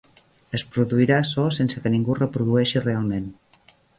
Es produirà so sense que ningú reprodueixi realment.